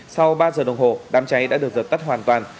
sau ba h đồng hồ đám cháy đã được giật tắt hoàn toàn